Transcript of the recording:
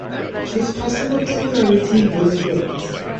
His personal popularity was great.